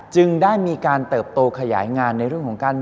จึงได้มีการเติบโตขยายงานในเรื่องของการ